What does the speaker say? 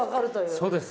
そうです。